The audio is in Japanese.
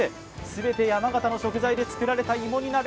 全て山形の食材で作られたいも煮鍋。